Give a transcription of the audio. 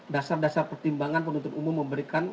dasar dasar pertimbangan penuntut umum memberikan